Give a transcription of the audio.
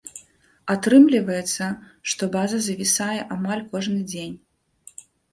Атрымліваецца, што база завісае амаль кожны дзень.